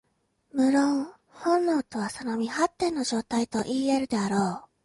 無論、本能とはその未発展の状態といい得るであろう。